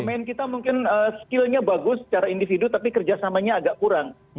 pemain kita mungkin skillnya bagus secara individu tapi kerjasamanya agak kurang